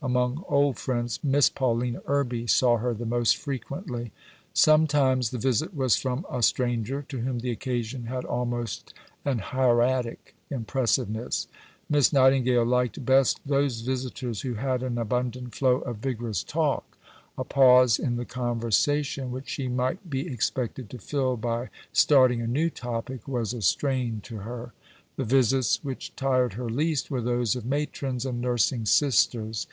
Among old friends, Miss Paulina Irby saw her the most frequently. Sometimes the visit was from a stranger, to whom the occasion had almost an hieratic impressiveness. Miss Nightingale liked best those visitors who had an abundant flow of vigorous talk. A pause in the conversation, which she might be expected to fill by starting a new topic, was a strain to her. The visits which tired her least were those of Matrons and nursing Sisters.